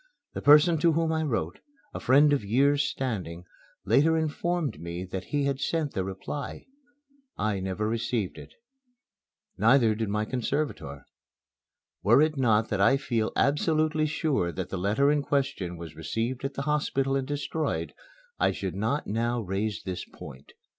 The person to whom I wrote, a friend of years' standing, later informed me that he had sent the reply. I never received it. Neither did my conservator. Were it not that I feel absolutely sure that the letter in question was received at the hospital and destroyed, I should not now raise this point.